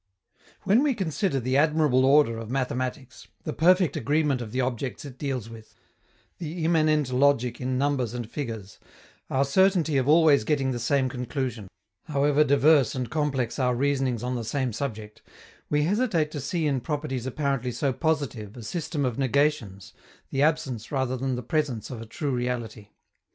When we consider the admirable order of mathematics, the perfect agreement of the objects it deals with, the immanent logic in numbers and figures, our certainty of always getting the same conclusion, however diverse and complex our reasonings on the same subject, we hesitate to see in properties apparently so positive a system of negations, the absence rather than the presence of a true reality.